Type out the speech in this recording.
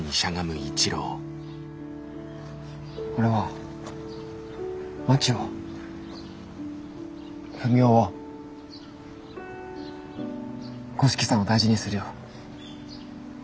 俺はまちをふみおを五色さんを大事にするよ。